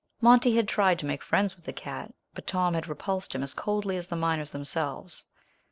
Monty had often tried to make friends with the cat, but Tom had repulsed him as coldly as the miners themselves.